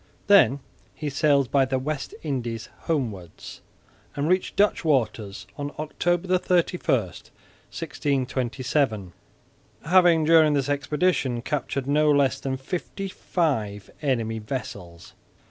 Then he sailed by the West Indies homewards and reached Dutch waters on October 31, 1627, having during this expedition captured no less than fifty five enemy vessels.